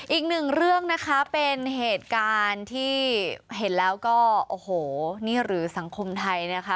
อีกหนึ่งเรื่องนะคะเป็นเหตุการณ์ที่เห็นแล้วก็โอ้โหนี่หรือสังคมไทยนะคะ